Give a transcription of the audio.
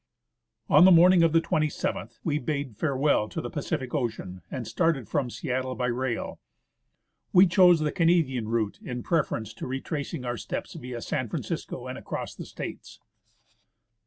On the morning of the 27th, we bade farewell to the Pacific Ocean and started from Seattle by rail. We chose the Canadian route in preference to retracing our steps via San Francisco and across the States.